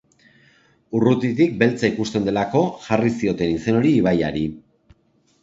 Urrutitik beltza ikusten delako jarri zioten izen hori ibaiari.